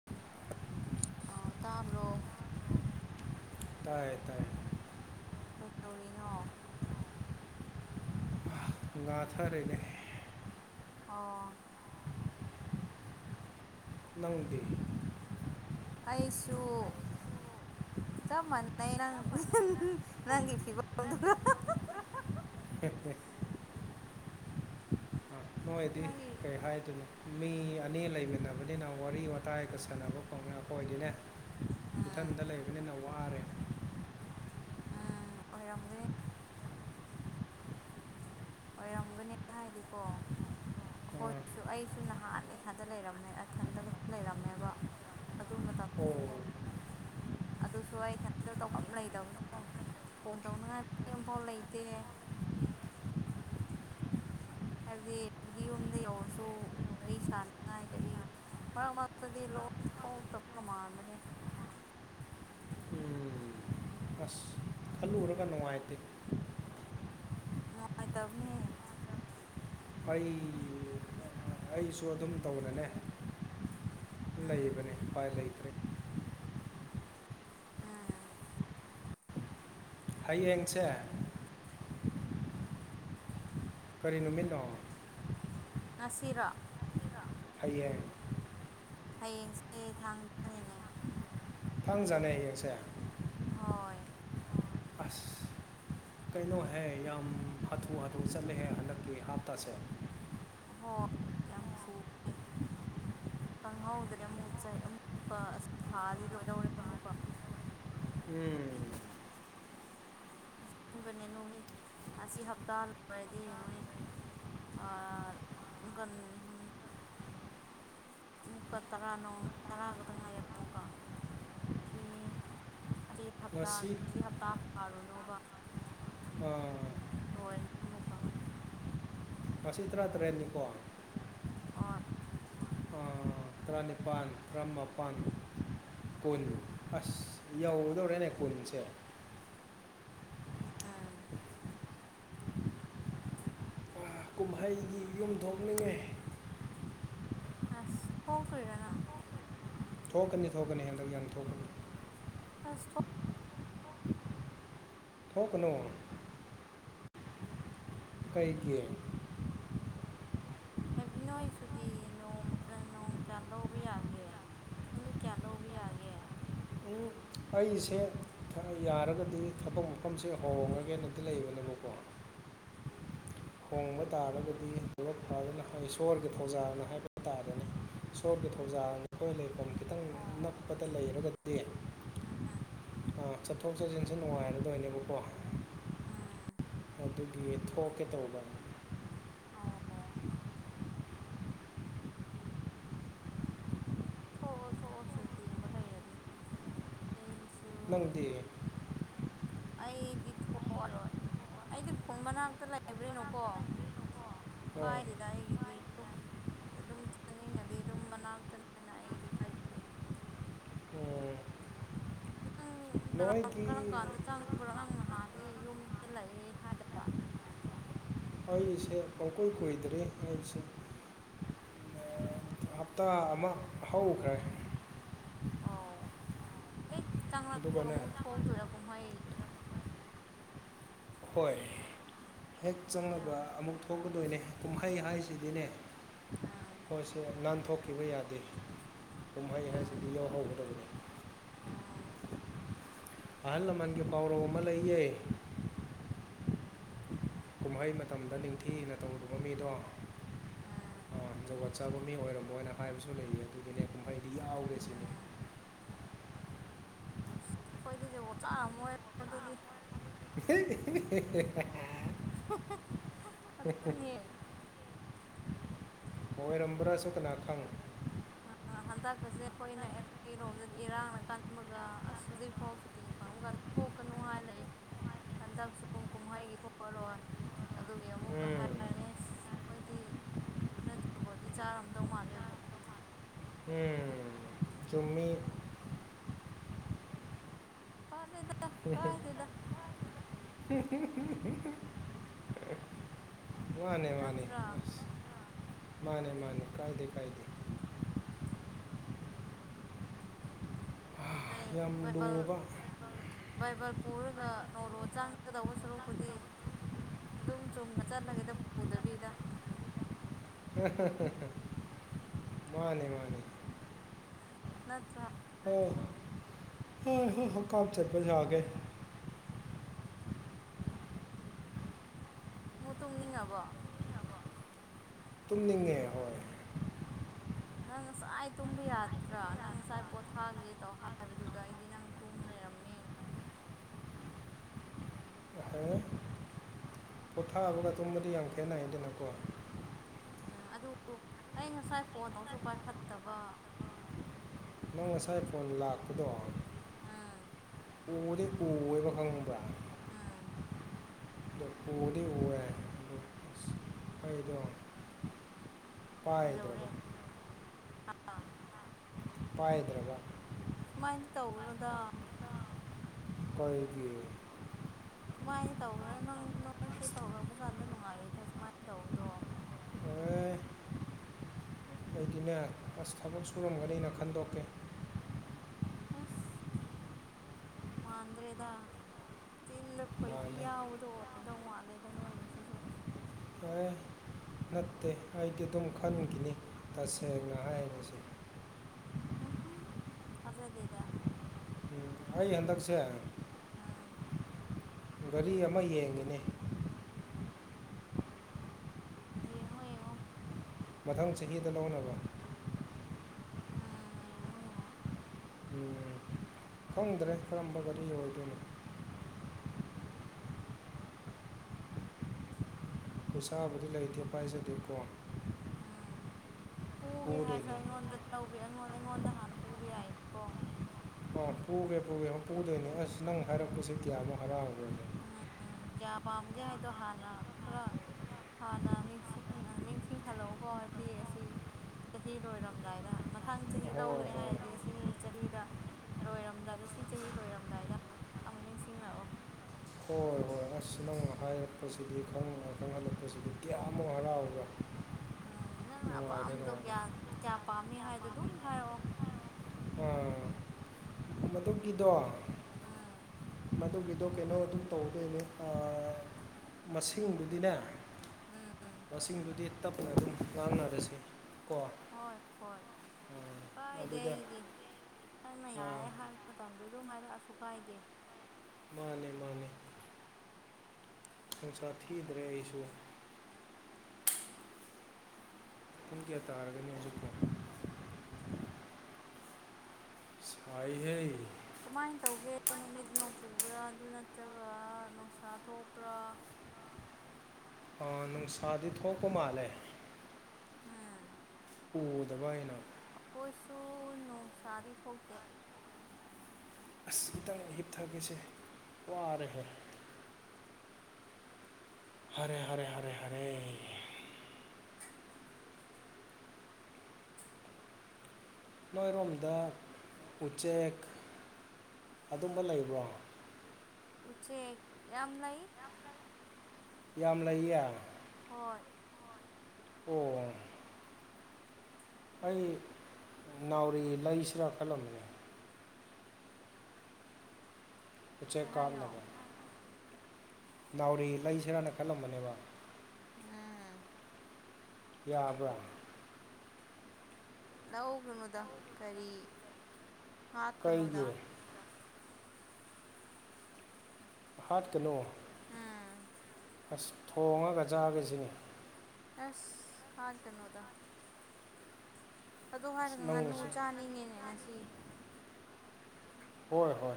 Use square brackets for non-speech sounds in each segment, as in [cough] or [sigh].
[inaudible] ꯑꯥ ꯇꯥꯕ꯭ꯔꯣ [inaudible] ꯇꯥꯏꯌꯦ ꯇꯥꯏ ꯀꯩꯗꯧꯔꯤꯅꯣ [inaudible] ꯉꯥꯊꯔꯦꯅꯦ ꯑꯣ ꯅꯪꯗꯤ [inaudible] ꯑꯩꯁꯨ ꯆꯞ ꯃꯥꯟꯅꯩ ꯅꯪ ꯅꯪꯒꯤ ꯐꯤꯚꯝꯗꯨꯒ [unintelligible] ꯅꯣꯏꯗꯤ ꯀꯩ ꯍꯥꯏꯗꯣꯏꯅꯣ ꯃꯤ ꯑꯅꯤ ꯂꯩꯃꯤꯟꯅꯕꯅꯤꯅ ꯋꯥꯔꯤ ꯋꯥꯇꯥꯏꯒ ꯁꯥꯟꯅꯕ [unintelligible] ꯑꯣꯏꯗꯦꯅꯦ ꯏꯊꯟꯇꯥ ꯂꯩꯕꯅꯤꯅ ꯋꯥꯔꯦ ꯑꯥ ꯑꯣꯏꯔꯝꯒꯅꯤ ꯑꯣꯏꯔꯝꯒꯅꯤ ꯍꯥꯏꯗꯤꯀꯣ ꯑꯩꯈꯣꯏꯁꯨ ꯑꯩꯁꯨ ꯅꯍꯥꯟ ꯏꯊꯟꯇꯥ ꯂꯩꯔꯝꯃꯦ ꯏꯊꯟꯗꯒ ꯂꯩꯔꯝꯃꯦꯕ ꯑꯗꯨ ꯃꯇꯝꯗꯨꯖꯨꯀꯣ ꯑꯗꯨꯁꯨ ꯑꯩ ꯏꯊꯟꯇ ꯇꯧꯐꯝ ꯂꯩꯇꯕꯗꯣ ꯐꯣꯟ ꯇꯧꯅꯉꯥꯏ ꯃꯤ ꯑꯝꯐꯧ ꯂꯩꯇꯦ [inaudible] ꯍꯥꯏꯕꯗꯤ ꯍꯥꯏꯕꯗꯤ ꯌꯨꯝꯗ ꯌꯧꯔꯁꯨ ꯋꯥꯔꯤ ꯁꯥꯟꯅꯤꯉꯥꯏ ꯀꯔꯤ ꯃꯔꯛ ꯃꯔꯛꯇꯗꯤ ꯂꯣꯟ ꯊꯣꯛꯇꯕꯒ ꯃꯥꯟꯕꯅꯤ ꯎꯝ ꯑꯁ ꯎꯔꯒ ꯅꯨꯡꯉꯥꯏꯇꯦ [inaudible] ꯅꯨꯡꯉꯥꯢꯇꯕꯅꯤ ꯑꯩ ꯑꯩꯁꯨ ꯑꯗꯨꯝ ꯇꯧꯅꯅꯦ ꯂꯩꯕꯅꯦ ꯎꯄꯥꯏ ꯂꯩꯇ꯭ꯔꯦ [inaudible] ꯎꯝ ꯍꯌꯦꯡꯁꯦ [inaudible] ꯀꯔꯤ ꯅꯨꯃꯤꯠꯅꯣ [inaudible] ꯉꯁꯤꯔꯣ ꯉꯁꯤꯔꯣ ꯍꯌꯦꯡ ꯍꯌꯦꯡꯁꯦ ꯊꯥꯡꯖꯅꯤꯅꯦ [inaudible] ꯊꯥꯡꯖꯅꯦ ꯍꯌꯦꯡꯁꯦ ꯍꯣꯏ ꯑꯁ ꯀꯩꯅꯣꯍꯦ ꯌꯥꯝ ꯍꯥꯊꯨ ꯍꯥꯊꯨ ꯆꯠꯂꯦꯍꯦ ꯍꯟꯗꯛꯀꯤ ꯍꯞꯇꯥꯁꯦ ꯍꯣ ꯌꯥꯝ ꯊꯨ ꯑꯦ [inaudible] ꯈꯪꯍꯧꯗ꯭ꯔꯦ ꯑꯃꯨꯛ ꯆꯩ ꯑꯃꯨꯛꯀꯥ ꯑꯁꯤ ꯊꯥꯗꯤ ꯂꯣꯏꯗꯧꯔꯦ ꯑꯃꯨꯛꯀꯥ ꯎꯝ [unintelligible] ꯕꯅꯦ ꯅꯨꯃꯤꯠ ꯑꯁꯤ ꯍꯞꯇꯥ ꯂꯣꯏꯔꯗꯤ ꯌꯦꯡꯉꯨꯅꯦ ꯊꯥ [unintelligible] ꯍꯝ ꯑꯃꯨꯛꯀꯥ ꯇꯔꯥ ꯅꯣꯡ ꯇꯔꯥ ꯈꯛꯇꯪ ꯉꯥꯏꯔꯦ ꯑꯃꯨꯛꯀꯥ ꯁꯤ ꯑꯁꯤ ꯍꯞꯇꯥ ꯁꯤ ꯍꯞꯇꯥ ꯄꯥꯔꯨꯅꯣꯕ ꯑꯥ ꯂꯣꯏꯔꯅꯤ ꯑꯃꯨꯛꯀꯥ [inaudible] ꯉꯁꯤ ꯇꯔꯥꯇꯔꯦꯠꯅꯤꯀꯣ ꯍꯣꯢ ꯑꯥ ꯇꯔꯥꯅꯤꯄꯥꯜ ꯇ꯭ꯔꯥꯃꯄꯜ ꯀꯨꯟ ꯑꯁ ꯌꯧꯗꯧꯔꯦꯅꯦ ꯀꯨꯟꯁꯦ ꯀꯨꯝꯍꯩꯒꯤ ꯌꯨꯝ ꯊꯣꯛꯅꯤꯡꯉꯦ [inaudible] ꯑꯁ ꯊꯣꯛꯇꯣꯏꯔꯥ ꯅꯪ [inaudible] ꯊꯣꯛꯀꯥꯅꯤ ꯊꯣꯛꯀꯥꯅꯤ ꯍꯟꯗꯛ ꯌꯨꯝ ꯊꯣꯛꯀꯥꯅꯤ ꯑꯁ ꯊꯣꯛ ꯊꯣꯛꯀꯥꯅꯨ ꯀꯩꯒꯤ [inaudible] ꯍꯥꯏꯕꯗꯤ ꯅꯣꯏ ꯁꯨꯇꯤ ꯅꯣꯡꯃꯒ ꯅꯣꯡ ꯀꯌꯥ ꯂꯧꯕ ꯌꯥꯒꯦ ꯅꯨꯃꯤꯠ ꯀꯌꯥ ꯂꯧꯕ ꯌꯥꯒꯦ ꯎꯝ ꯑꯩꯁꯦ ꯊꯥ ꯌꯥꯔꯒꯗꯤ ꯊꯕꯛꯃꯞ ꯐꯝꯁꯦ ꯍꯣꯡꯒ꯭ꯔꯥꯒꯦꯅꯗꯤ ꯂꯩꯕꯅꯦꯕꯀꯣ ꯍꯣꯡꯕ ꯇꯥꯔꯒꯗꯤ ꯄꯨꯂꯞ ꯐꯖꯅ ꯏꯁꯣꯔꯒꯤ ꯊꯧꯖꯥꯜꯅ ꯍꯥꯏꯕ ꯇꯥꯔꯦꯅꯦ ꯏꯁꯣꯔꯒꯤ ꯊꯧꯖꯥꯜ ꯅ ꯑꯩꯈꯣꯏ ꯂꯩꯐꯝ ꯈꯤꯇꯪ ꯅꯛꯄꯗ ꯂꯩꯔꯒꯗꯤ ꯑꯥ ꯑꯥ ꯆꯠꯊꯣꯛ ꯆꯠꯁꯤꯟꯁꯤ ꯅꯨꯡꯉꯥꯏꯔꯗꯣꯏꯅꯦꯕꯀꯣ [unintelligible] ꯑꯗꯨꯒꯤ ꯊꯣꯛꯀꯦ ꯇꯧꯕꯅꯤ ꯑꯥꯎ ꯑꯣ [inaudible] ꯊꯣꯛꯑꯣ ꯊꯣꯛꯑꯣ ꯁꯨꯇꯤ ꯒꯨꯝꯕ ꯂꯩꯔꯗꯤ ꯑꯩꯁꯨ ꯅꯪꯗꯤ [inaudible] ꯑꯩꯗꯤ ꯊꯣꯛꯑꯔꯣꯏ ꯑꯩꯗꯤ ꯈꯨꯟ ꯃꯅꯥꯛꯇꯥ ꯂꯩꯕꯅꯤꯅꯀꯣ [inaudible] ꯀꯥꯏꯗꯦꯗ ꯑꯩꯒꯤꯗꯤ ꯇꯨꯝ ꯑꯠ ꯑꯗꯨꯝ ꯆꯥꯅꯤꯡꯉꯗꯤ ꯑꯗꯨꯝ ꯃꯅꯥꯛꯇꯅꯦꯅ ꯑꯩꯗꯤ ꯀꯥꯏꯗꯦ ꯎꯝ ꯀꯔꯝ ꯀꯔꯝ ꯀꯥꯟꯗ ꯆꯪꯕ꯭ꯔꯥ ꯅꯪ ꯅꯍꯥꯟꯗꯤ ꯌꯨꯝꯗ ꯂꯩ ꯍꯥꯏꯗꯅ [inaudible] ꯑꯩꯁꯦ ꯄꯪꯀꯨꯏ ꯀꯨꯏꯗꯔꯤ ꯑꯩꯁꯦ [unintelligible] ꯍꯞꯇꯥ ꯑꯃ ꯍꯧꯈ꯭ꯔꯦ ꯑꯣ ꯍꯦꯛ ꯆꯪꯂꯛꯄꯒ ꯑꯃꯨꯛ ꯊꯣꯛꯇꯣꯏꯔ ꯀꯨꯝꯍꯩ ꯍꯣꯏ ꯍꯦꯛ ꯆꯪꯉꯒ ꯑꯃꯨꯛ ꯊꯣꯛꯀꯗꯣꯏꯅꯦ ꯀꯨꯝꯍꯩ ꯍꯥꯏꯁꯤꯗꯤꯅꯦ ꯍꯣꯏ ꯁꯦ ꯅꯥꯟꯊꯣꯛꯈꯤꯕ ꯌꯥꯗꯦ ꯀꯨꯝꯍꯩ ꯍꯥꯏꯁꯤꯗꯤ ꯌꯥꯎꯍꯧꯒꯗꯧꯕꯅꯦ ꯑꯍꯜ ꯂꯃꯟꯒꯤ ꯄꯥꯎꯔꯧ ꯑꯃ ꯂꯩꯌꯦ [inaudible] ꯀꯨꯝꯍꯩ ꯃꯇꯝꯗ ꯅꯤꯡꯊꯤꯅ ꯇꯧꯗꯕ ꯃꯤꯗꯣ ꯎꯝ ꯒꯣꯠ ꯆꯥꯕ ꯃꯤ ꯑꯣꯏꯔꯝꯃꯣꯏꯅ ꯍꯥꯏꯕꯁꯨ ꯂꯩꯌꯦ ꯑꯗꯨꯒꯤꯅꯦ ꯀꯨꯝꯍꯩꯗꯤ ꯌꯥꯎꯒꯦ ꯁꯤꯅꯦ ꯑꯁ ꯍꯣꯏꯗꯤ ꯖꯣꯒꯣꯠ ꯆꯥꯔꯝꯃꯣꯏ ꯑꯗꯨꯗꯤ [unintelligible] [unintelligible] [unintelligible] ꯑꯣꯏꯔꯝꯕ꯭ꯔꯥꯁꯨ ꯀꯅꯥ ꯈꯪ [inaudible] ꯍꯟꯇꯛꯀꯁꯦ ꯑꯈꯣꯏꯅ ꯑꯩꯈꯣꯏꯔꯣꯝꯗꯗꯤ ꯏꯔꯥꯡꯅ ꯀꯟꯕꯒ ꯑꯁ ꯍꯧꯖꯤꯛꯐꯥꯎ ꯁꯨꯇꯤ ꯐꯪꯕ ꯀꯥꯟ__ ꯊꯣꯛꯀꯅꯨ ꯍꯥꯏ ꯂꯩ ꯍꯟꯗꯛꯁꯨ ꯀꯨꯝꯍꯩꯒꯤ ꯊꯣꯛꯑꯔꯣꯏ ꯑꯗꯨꯒꯤ ꯑꯃꯨꯛꯀ ꯍꯥꯏꯔꯅꯤ ꯑꯁ ꯃꯣꯏꯗꯤ ꯈꯔ ꯖꯨꯒꯣꯠꯇꯤ ꯆꯥꯔꯝꯗꯧ ꯃꯥꯜꯂꯦꯕꯣ ꯎꯝ ꯆꯨꯝꯃꯤ ꯐꯔꯦꯗ ꯀꯥꯏꯗꯦꯗ ꯀꯥꯏꯗꯦꯗ ꯃꯥꯅꯦ ꯃꯥꯅꯦ ꯃꯥꯅꯦ ꯃꯥꯅꯦ ꯀꯥꯏꯗꯦ ꯀꯥꯏꯗꯦ ꯑꯥ ꯑꯦ ꯕꯥꯢꯕꯜ ꯕꯥꯏꯕꯜ ꯄꯨꯔꯒ ꯅꯣꯔꯣ ꯆꯡꯒꯗꯧꯕ ꯁꯔꯨꯛꯄꯨꯗꯤ [inaudible] ꯑꯗꯨꯝ ꯆꯨꯝꯅ ꯆꯠꯂꯒꯦꯗ ꯄꯨꯗꯕꯤꯗ [inaudible] ꯃꯥꯅꯦ ꯃꯥꯅꯦ ꯅꯠꯇ꯭ꯔꯥ ꯑꯣ ꯍꯀꯥꯝ ꯆꯟꯕꯌꯥꯒꯦ ꯃꯨ ꯇꯨꯝꯅꯤꯡꯉꯕꯣ ꯇꯨꯝꯅꯤꯡꯉꯦ ꯍꯣꯏ [inaudible] ꯅꯪ ꯉꯁꯥꯏ ꯇꯨꯝꯕ ꯌꯥꯗ꯭ꯔꯥ ꯅꯪ ꯉꯁꯥꯏ ꯄꯣꯊꯥꯒꯦ ꯇꯧ ꯍꯥꯏꯕꯗꯨꯗ ꯑꯩꯗꯤ ꯅꯪ__ ꯇꯨꯝ ꯂꯩꯔꯝꯅꯤꯅ ꯄꯣꯊꯥꯕꯒ ꯇꯨꯝꯕꯗꯤ ꯌꯥꯝ ꯈꯦꯠꯅꯩꯌꯦꯗꯅꯀꯣ ꯑꯥ ꯑꯗꯨ ꯑꯩ ꯉꯁꯥꯏ ꯐꯣꯟ ꯇꯧꯁꯨ ꯄꯥꯏꯈꯠꯇꯕ ꯅꯪ ꯉꯁꯥꯏ ꯐꯣꯟ ꯂꯥꯛꯄꯗꯣ ꯑꯥ ꯎꯗꯤ ꯎꯋꯦꯕ ꯈꯪꯕ꯭ꯔ ꯎꯗꯤ ꯎꯔꯦ [unintelligible] ꯑꯗꯨ ꯑꯩꯗꯣ ꯄꯥꯏꯗ꯭ꯔꯕ ꯄꯥꯏꯗ꯭ꯔꯕ ꯑꯗꯨꯃꯥꯏꯅ ꯇꯧꯒꯅꯨꯗ [unintelligible] ꯈꯣꯏꯒꯤ ꯁꯨꯃꯥꯏꯅ ꯇꯧꯔꯥ ꯅꯪ ꯅꯣꯏꯁꯨ ꯇꯧꯔꯛꯄ ꯀꯥꯟꯗ ꯅꯨꯡꯉꯥꯏꯔꯣꯏꯗ ꯁꯨꯃꯥꯏꯅ ꯇꯧꯕꯗꯣ [unintelligible] [unintelligible] ꯑꯁ ꯊꯕꯛ ꯁꯨꯔꯝꯒꯅꯤꯅ ꯈꯟꯗꯣꯛꯀꯦ [unintelligible] [unintelligible] ꯃꯥꯟꯗ꯭ꯔꯦꯗ ꯆꯤꯟꯅ ꯈꯣꯏꯍꯤ ꯌꯥꯎꯕꯗꯣ ꯑꯣꯏꯔꯜꯗꯧ ꯃꯥꯜꯂꯦꯗ ꯅꯣꯏꯁꯤꯁꯨ [unintelligible] ꯅꯠꯇꯦ ꯑꯩꯗꯤ ꯑꯗꯨꯝ ꯈꯟꯒꯤꯅꯤ ꯇꯁꯦꯡꯅ ꯍꯥꯏꯔꯁꯦ [unintelligible] ꯊꯥꯖꯗꯦꯗ [unintelligible] ꯑꯩ ꯍꯟꯗꯛꯁꯦ ꯑꯥ ꯒꯥꯔꯤ ꯑꯃ ꯌꯦꯡꯉꯤꯅꯦ ꯌꯦꯡꯉꯣ ꯌꯦꯡꯉꯣ ꯃꯊꯪ ꯆꯍꯤꯗ ꯂꯧꯅꯕ ꯑꯥ ꯌꯦꯡꯉꯣ ꯌꯦꯡꯉꯣ ꯎꯝ ꯈꯪꯗ꯭ꯔꯦ ꯀꯔꯝꯕ ꯒꯔꯤ ꯑꯣꯏꯗꯣꯏꯅꯣ ꯄꯩꯁꯥꯕꯨꯗꯤ ꯂꯩꯇꯦ ꯄꯥꯏꯖꯗꯦꯀꯣ ꯄꯨꯒꯦ ꯍꯥꯏꯔꯁꯨ ꯑꯩꯉꯣꯟꯗ ꯂꯧꯕꯤ ꯑꯩꯉꯣꯟꯗ ꯑꯩꯉꯣꯟꯗ ꯍꯥꯟꯅ ꯄꯨꯕ ꯌꯥꯏꯌꯦꯀꯣ [inaudible] ꯑ ꯄꯨꯒꯦ ꯄꯨꯒꯦ ꯑꯝ ꯄꯨꯗꯣꯏꯅꯤ ꯑꯁ ꯅꯪ ꯍꯥꯏꯔꯛꯄꯁꯤ ꯀ꯭ꯌꯥꯃꯨꯛ ꯍꯔꯥꯎꯕ꯭ꯔꯥ ꯎꯝ ꯀ꯭ꯌꯥ ꯄꯥꯝꯒꯦ ꯍꯥꯏꯗꯣ ꯍꯥꯟꯅ ꯈꯔ ꯍꯥꯟꯅ ꯅꯤꯡꯁꯤꯡ ꯅꯤꯡꯁꯤꯡꯍꯜꯂꯛꯎꯀꯣ ꯍꯥꯏꯕꯗꯤ ꯑꯁꯤ ꯆꯍꯤ ꯂꯣꯏꯔꯝꯗꯥꯏꯗ ꯃꯊꯪ ꯆꯍꯤ ꯂꯧꯒꯅꯤ ꯍꯥꯏꯔꯗꯤ ꯑꯁꯤ ꯆꯍꯤꯗ ꯂꯣꯏꯔꯝꯗꯥꯏꯗ ꯁꯤ ꯆꯍꯤ ꯂꯣꯏꯔꯝꯗꯥꯏꯗ ꯑꯃꯛ ꯅꯤꯡꯁꯤꯡꯔꯛꯑꯣ ꯍꯣꯏ ꯍꯣꯏ [unintelligible] ꯍꯥꯏꯔꯛꯄꯁꯤꯗꯤ ꯈꯪꯍꯜ ꯈꯪꯍꯜꯂꯛꯄꯖꯤꯗꯤ ꯀ꯭ꯌꯥꯃꯨꯛ ꯍꯔꯥꯎꯕ꯭ꯔꯥ ꯑꯪ ꯅꯪꯅ ꯑꯄꯥꯝꯕꯗꯣ ꯀ꯭ꯌꯥ ꯀ꯭ꯌꯥ ꯄꯥꯝꯃꯤ ꯍꯥꯏꯗꯣ ꯗꯨꯝ ꯍꯥꯏꯔꯛꯑꯣ ꯎꯝ ꯃꯗꯨꯒꯤꯗꯣ ꯃꯗꯨꯒꯤꯗꯣ ꯀꯩꯅꯣ ꯑꯗꯨꯝ ꯇꯧꯗꯨꯏꯅꯦ ꯑꯥ ꯃꯁꯤꯡꯕꯨꯗꯤꯅꯦ ꯃꯁꯤꯡꯗꯨꯗꯤ ꯇꯞꯅ ꯑꯗꯨꯝ ꯉꯥꯡꯅꯔꯖꯤ ꯀꯣ ꯍꯣꯏ ꯍꯣꯏ ꯀꯥꯏꯗꯦ ꯑꯩꯗꯤ ꯅꯪꯅ ꯌꯥꯏ ꯍꯥꯏ ꯃꯇꯝꯗꯣ ꯑꯗꯨꯝ ꯍꯥꯏꯔꯛꯑꯁꯨ ꯀꯥꯏꯗꯦ ꯃꯥꯅꯦ ꯃꯥꯅꯦ ꯅꯨꯡꯁꯥ ꯊꯤꯗ꯭ꯔꯦ ꯑꯩꯁꯨ ꯄꯨꯡ ꯀꯌꯥ ꯇꯥꯔꯒꯦꯅꯦ ꯍꯧꯖꯤꯛꯄꯣ ꯋꯥꯏꯍꯦ ꯀꯃꯥꯏꯟ ꯇꯧꯒꯦ ꯅꯨꯃꯤꯠ ꯅꯣꯡꯆꯨꯕ꯭ꯔꯥ ꯑꯗꯨ ꯅꯠꯇ꯭ꯔꯒꯥ ꯅꯨꯡꯁꯥ ꯊꯣꯛꯄ꯭ꯔꯥ ꯑꯥ ꯅꯨꯡꯁꯥꯗꯤ ꯊꯣꯛꯄ ꯃꯥꯜꯂꯦ ꯍꯥ ꯎꯗꯕꯋ꯭ꯥꯅꯤ ꯅ ꯑꯩꯈꯣꯁꯨ ꯅꯣꯡꯁꯥꯗꯤ ꯊꯣꯛꯇꯦ ꯁꯈꯤꯇꯪ ꯍꯤꯞꯊꯒꯦꯁꯦ ꯋꯥꯔꯦꯍꯦ ꯍꯔꯦ ꯍꯔꯦ ꯍꯔꯦ ꯍꯔꯦ ꯅꯣꯏꯔꯣꯝꯗ ꯎꯆꯦꯛ ꯑꯗꯨꯝꯕ ꯂꯩꯕ꯭ꯔꯣ ꯎꯆꯦꯛ ꯌꯥꯝ ꯂꯩ ꯌꯥꯝ ꯂꯩꯌꯦ ꯍꯣꯏ ꯑꯣ ꯑꯩ ꯅꯥꯎꯔꯤ ꯂꯩꯁꯤꯔꯥ ꯈꯜꯂꯝꯃꯅꯦ ꯎꯆꯦꯛ ꯀꯥꯞꯅꯕ ꯅꯥꯎꯔꯤ ꯂꯩꯁꯤꯔꯥꯅ ꯈꯜꯂꯝꯕꯅꯦꯕ ꯌꯥꯕ꯭ꯔꯥ ꯂꯧꯒꯅꯨꯗ ꯀꯔꯤ ꯍꯥꯠꯀꯅꯨꯗ ꯍꯥꯠꯀꯅꯨ ꯑꯁ ꯊꯣꯡꯉꯒ ꯆꯥꯒꯦꯖꯤꯅꯤ ꯑꯁ ꯍꯥꯠꯀꯅꯣꯗꯥ ꯑꯗꯨ ꯍꯥꯏꯔꯒ ꯉꯥꯅꯨ ꯆꯥꯅꯤꯡꯉꯦꯅꯦ ꯉꯁꯤ ꯍꯣꯏ ꯍꯣꯏ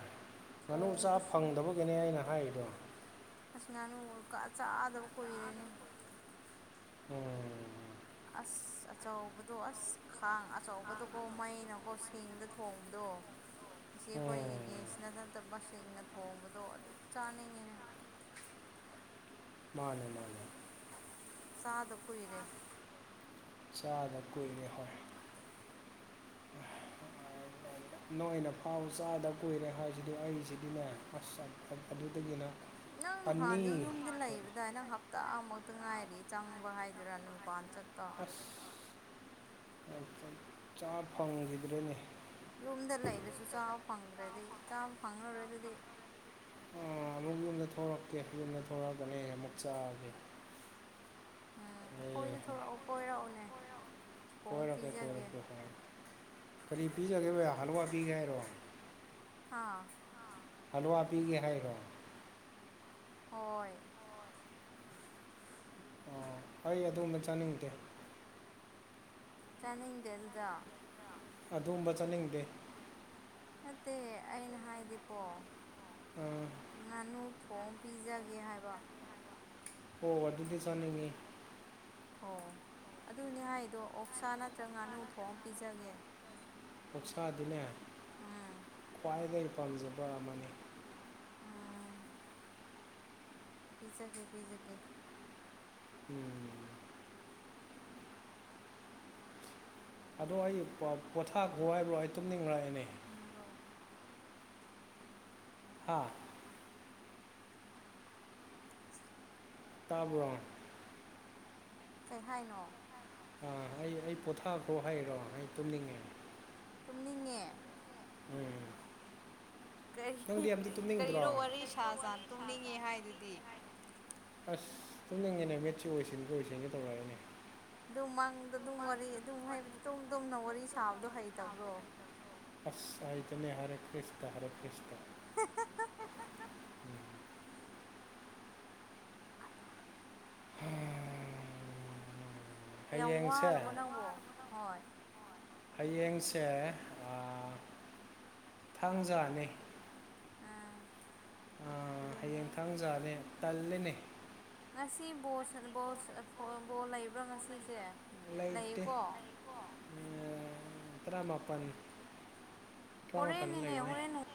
ꯉꯥꯅꯨ ꯆꯥ ꯐꯪꯗꯕꯒꯤꯅꯦ ꯑꯩꯅ ꯍꯥꯏꯔꯤꯗꯣ ꯑꯁ ꯉꯥꯅꯨ ꯀꯥ ꯆꯥꯗꯕ ꯀꯨꯏꯔꯦꯅꯦ ꯎꯝ ꯑꯁ ꯑꯆꯧꯕꯗꯣ ꯑꯁ ꯈꯥꯡ ꯑꯆꯧꯕꯗꯣꯀꯣ ꯃꯩꯅꯀꯣ ꯁꯤꯡꯗ ꯊꯣꯡꯕꯗꯣ [inaudible] ꯑꯁꯤ ꯑꯩꯈꯣꯏꯒꯤ ꯒꯦꯁꯅ ꯅꯠꯇꯕ ꯁꯤꯡꯅ ꯊꯣꯡꯕꯗꯣ ꯑꯗꯨ ꯆꯥꯅꯤꯡꯉꯤꯅꯦ ꯃꯥꯅꯦ ꯃꯥꯅꯦ ꯆꯥꯗ ꯀꯨꯏꯔꯦ ꯆꯥꯗ ꯀꯨꯏꯔꯦ ꯍꯣꯏ ꯅꯣꯏꯅ ꯐꯥꯎ ꯆꯥꯗ ꯀꯨꯏꯔꯦ ꯍꯥꯏꯖꯤꯗꯤ ꯑꯩꯖꯤꯗꯤꯅꯦ ꯑꯁ ꯑꯗꯨꯗꯒꯤꯅ ꯅꯪ ꯍꯥꯟꯗꯤ ꯌꯨꯝꯗ ꯂꯩꯕꯗꯥꯏ ꯅꯪ ꯍꯞ ꯇꯥ ꯃꯨꯛꯇ ꯉꯥꯏꯔꯤ ꯆꯪꯕ ꯍꯥꯏꯗꯨꯔꯥ ꯅꯨꯄꯥꯟ ꯆꯠꯄ ꯅꯠꯇꯦ ꯆꯥ ꯐꯪꯒꯤꯗ꯭ꯔꯦꯅꯦ ꯌꯨꯝꯗ ꯂꯩꯔꯁꯨ ꯆꯥꯕ ꯐꯪꯗ꯭ꯔꯗꯤ ꯆꯥꯕ ꯐꯪꯉꯥꯔꯣꯏ ꯗꯨꯗꯤ ꯑꯥ ꯑꯃꯨꯛ ꯌꯨꯝꯗ ꯊꯣꯔꯛꯀꯦ ꯌꯨꯝꯗ ꯊꯣꯔꯛꯑꯒꯅꯦ ꯑꯃꯨꯛ ꯆꯥꯒꯦ ꯍꯥ ꯑꯈꯣꯏꯗ ꯊꯣꯔꯛꯑꯣ ꯀꯣꯏꯔꯛꯑꯣꯅꯦ ꯀꯣꯏꯔꯛꯀꯦ ꯀꯣꯏꯔꯛꯀꯦ ꯍꯣꯏ ꯀꯔꯤ ꯄꯤꯖꯒꯦꯕꯌꯥ ꯍꯜꯋꯥ ꯄꯤꯒꯦ ꯍꯥꯏꯔꯣ ꯍꯥꯥ ꯍꯜꯂꯨꯋꯥ ꯄꯤꯒꯦ ꯍꯥꯏꯔꯣ ꯍꯣꯏ ꯑꯣ ꯑꯩ ꯑꯗꯨꯒꯨꯝꯕ ꯆꯥꯅꯤꯡꯗꯦ ꯆꯥꯅꯤꯡꯗꯦ ꯑꯗꯨꯗꫭ ꯑꯗꯨꯒꯨꯝꯕ ꯆꯠꯅꯤꯡꯗꯦ ꯅꯠꯇꯦ ꯑꯩꯅ ꯍꯥꯏꯗꯤꯀꯣ ꯉꯥꯅꯨ ꯊꯣꯡꯉ ꯄꯤꯖꯒꯦ ꯍꯥꯏꯕ ꯑꯣ ꯑꯗꯨꯗꯤ ꯆꯥꯅꯤꯡꯉꯤ ꯑꯣ ꯑꯗꯨꯅꯤ ꯍꯥꯏꯗꯣ ꯑꯣꯛꯁꯥ ꯅꯠꯇ꯭ꯔꯒ ꯉꯥꯅꯨ ꯊꯣꯡꯉ ꯄꯤꯖꯒꯦ ꯑꯣꯛꯁꯥꯗꯤꯅꯦ ꯎꯝ ꯈ꯭ꯋꯥꯏꯗꯒꯤ ꯄꯥꯝꯖꯕ ꯑꯃꯅꯤ ꯄꯤꯖꯒꯦ ꯄꯤꯖꯒꯦ ꯎꯝ ꯑꯗꯣ ꯑꯩ ꯄꯥ ꯄꯣꯊꯥꯈ꯭ꯔꯣ ꯍꯥꯏꯕ꯭ꯔꯣ ꯑꯩ ꯇꯨꯝꯅꯤꯡꯔꯛꯑꯦꯅꯦ ꯑꯃꯔꫭ ꯍꯥꯥ ꯇꯥꯕ꯭ꯔꯣ ꯀꯩ ꯍꯥꯏꯅꯣ ꯑꯥ ꯑꯩ ꯑꯩ ꯄꯣꯊꯥꯈ꯭ꯔꯣ ꯍꯥꯏꯔꯣ ꯑꯩ ꯇꯨꯝꯅꯤꯡꯉꯦ ꯇꯨꯝꯅꯤꯡꯉꯦ ꯎꯝ ꯀꯔꯤ ꯀꯔꯤꯔꯣ ꯋꯥꯔꯤ ꯁꯥ ꯁꯥꯅ ꯇꯨꯝꯅꯤꯡꯉꯦ ꯍꯥꯏꯗꯨꯗꯤ ꯑꯁ ꯇꯨꯝꯅꯤꯡꯉꯦꯅꯦ ꯃꯤꯠꯁꯤ ꯎꯏꯁꯟꯒꯦ ꯎꯏꯁꯤꯟꯒꯦ ꯇꯧꯔꯛ ꯑꯦꯅꯦ ꯑꯗꯨꯝ ꯃꯪꯗ ꯑꯗꯨꯝ ꯋꯥꯔꯤ ꯑꯗꯨꯝ ꯍꯩꯕꯗꯤ ꯇꯨꯝ ꯇꯨꯝꯅ ꯋꯥꯔꯤ ꯁꯥꯕꯗꯣ ꯍꯩꯇꯕ꯭ꯔꯣ ꯑꯁ ꯍꯩꯇꯦꯅꯦ ꯍꯔꯦ ꯀ꯭ꯔꯤꯁꯇ ꯍꯔꯦ ꯀ꯭ꯔꯤꯁꯇ [unintelligible] ꯌꯥꯝ ꯋꯥꯔꯕꯣ ꯅꯪꯕꯣ ꯍꯣꯏ ꯍꯌꯦꯡꯁꯦ ꯑꯥ ꯊꯥꯡꯖꯥꯅꯤ ꯑꯥ ꯑ ꯍꯌꯦꯡ ꯊꯥꯡꯖꯥꯅꯦ ꯇꯜꯂꯤꯅꯦ ꯉꯁꯤ ꯕꯣꯜ ꯁꯥꯅ ꯕꯣꯜ [unintelligible] ꯂꯩꯕ꯭ꯔꯥ ꯉꯁꯤꯁꯦ ꯂꯩꯇꯦ [inaudible] ꯇꯔꯥ ꯃꯥꯄꯟ ꯍꯣꯔꯦꯟꯅꯤꯅꯦ ꯍꯣꯔꯦꯟ ꯅꯨꯡ